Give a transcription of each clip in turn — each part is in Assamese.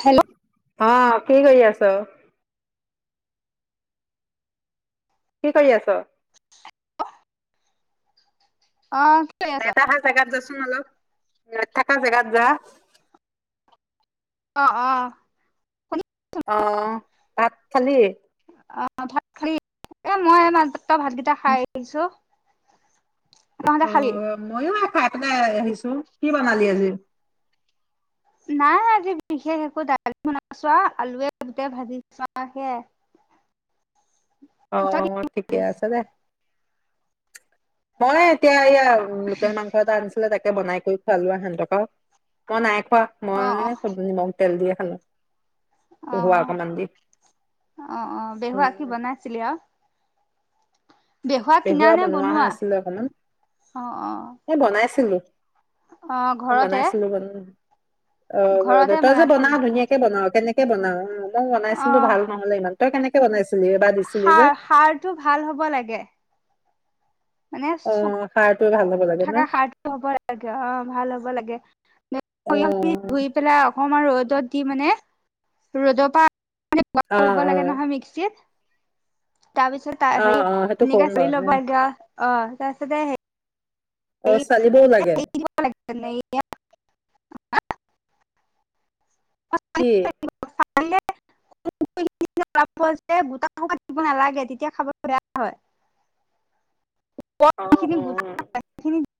হেল্ল' অ কি কৰি আছ। কি কৰি আছ। অ কি কৰি আছ এটা হা জাগাত যা চোন অলপ। থাকা জেগাত যা। অ অ শুনি আহ ভাত খালি। অ ভাত খালি এ মই মা। ত ভালকেইটা খাই আহিছো? তহঁতে অ খালি মইয়ো আফাত। আহিছো কি বনালি আজি। নাই আজি বিশেষ একো দালি বনাইছোৱা আৰু আলুৱে বুটে ভাজি চো সেয়াই? তই আহ কি ঠিকে খালি আছে দে। মই এতিয়া এয়া লোকেল মাংস এটা আনিছিলে তাকে। বনাই কৰি খোৱা লোৱা সেহতকা মই নাই? খুৱা অ অ মই ছাগলী মা। তেল দিয়ে খালো? অ পেহুৱা অকমান দি অ অ পেহুৱা উম কি বনাইছিলি আৰু [unintelligible] বেহুৱা কিনা পেহুৱা নে বনোৱা হৈ আছিলে অকমান, অ অ এ বনাইছিলো। অ ঘৰতে? বনাইছিলো বন অ ঘৰতে, তই যে বনাও ধুনীয়াকে বনাও কেনেকে। বনাও। মই অ বনাইছিলো ভাল নহলে ইমান তই কেনেকে। বনাইছে। সাৰ সাৰটো ভাল হ'ব লাগে। অ মানে সাৰ তুয়ে ভাল। লাগে ন থকা সাৰ হ'ব লাগে অ ভাল হ'ব লাগে। অ', ধুই পেলা [unintelligible] অকনমান ৰদত দি মানে ৰদপা। অ', কৰিব লাগে অ', নহয় মিক্সিত। তাপিছ অ', ত-হেৰি অ', সেইটো ধুনীয়াকে কম কৰি বাৰু লব উম, এতিয়া। অ, অ', চালিবও লাগে [unintelligible] কি? কাটিব নালাগে, তেতিয়া খাবলে বেয়া হয়। অ খিনি অ অ। গোটেইখিনি দি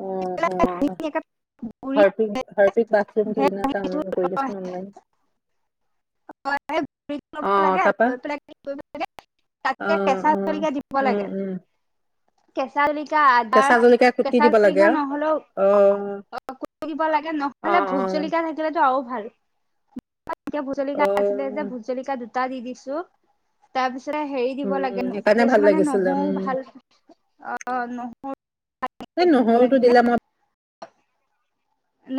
হম পেলাই হম ধুনীয়াকে গুৰি হাৰ্পিক হাৰ্পিক বাৰুম ক সেই এটা গুৰিটো অনলাইন কৰি অ দিচোন অনলাইন সেই গুৰিটো ল'ব আহ লাগে তাপা লৈ পেলাই কি কৰিব লাগে তাতে আহ উ উম উম [unintelligible] কেচা কেঁচা জলকাই কুটি দিব লাগে আৰু অ। অ, কুটি দি লাগে নহলে অ', ভোট অ', জলিকা থাকিলেতো আৰু। ভাল। অ', [unintelligible] দুটা দি দিছো তাৰপিছত হেৰি দিব উম, লাগে সেইকাৰণে ভাল কিছুমানে লাগিছিলে নহৰু উম। ভাল অ এই নহৰু দিব নহৰুটো লাগে। দিলে মই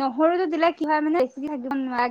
নহৰুতো দিলে কি হয় মানে বেছি থাকিব নালাগে।